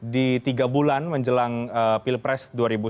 di tiga bulan menjelang pilpres dua ribu sembilan belas